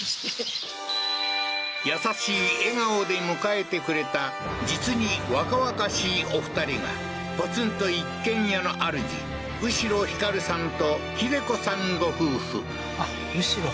優しい笑顔で迎えてくれた実に若々しいお二人がポツンと一軒家のあるじ後呂光さんと秀子さんご夫婦あっ後呂